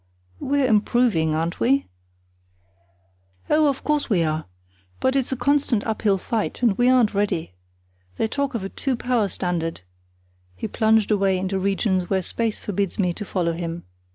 "We're improving, aren't we?" "Oh, of course, we are! But it's a constant uphill fight; and we aren't ready. They talk of a two power standard——" He plunged away into regions where space forbids me to follow him.